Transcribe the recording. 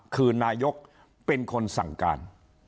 คือนายกเป็นคนสั่งการ